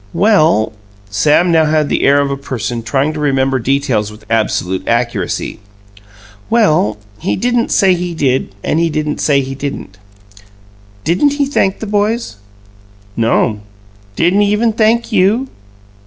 "Well" Sam now had the air of a person trying to remember details with absolute accuracy "well, he didn't say he did, and he didn't say he didn't." "Didn't he thank the boys?" "No'm." "Didn't he even thank you?"